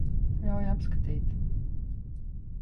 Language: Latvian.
Ļauj apskatīt.